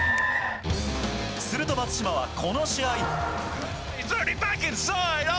すると、松島はこの試合。